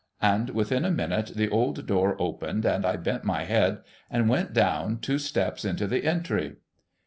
And within a minute the old door opened, and I bent my head, and went down two steps into the entry.